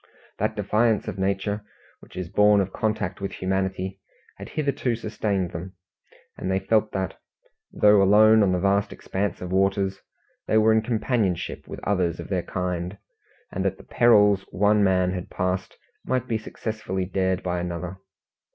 That defiance of Nature which is born of contact with humanity, had hitherto sustained them, and they felt that, though alone on the vast expanse of waters, they were in companionship with others of their kind, and that the perils one man had passed might be successfully dared by another.